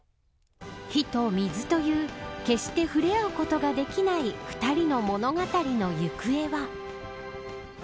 火と水という決して触れ合うことができない２人の物語の行方は。